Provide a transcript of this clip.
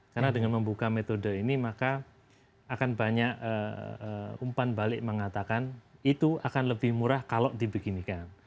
karena dengan membuka metode ini maka akan banyak umpan balik mengatakan itu akan lebih murah kalau dibeginikan